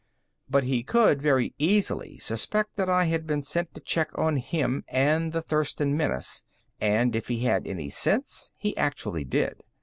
But he could very easily suspect that I had been sent to check on him and the Thurston menace, and, if he had any sense, he actually did.